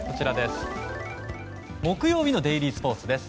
木曜日のデイリースポーツです。